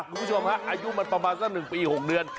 คุณผู้ชมฮะอายุมันประมาณสัก๑ปี๖เดือน